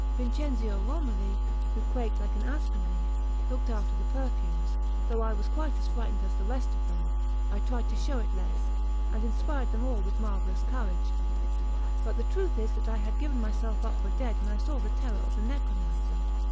Vincenzio Romoli, who quaked like an aspen leaf, looked after the perfumes. Though I was quite as frightened as the rest of them, I tried to show it less, and inspired them all with marvellous courage; but the truth is that I had given myself up for dead when I saw the terror of the necromancer.